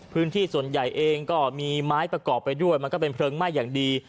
พื้นที่ส่วนใหญ่เองก็มีไม้ประกอบไปด้วยมันก็เป็นเพลิงไหม้อย่างดี